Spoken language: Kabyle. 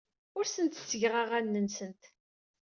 Ur asent-ttgeɣ aɣanen-nsent.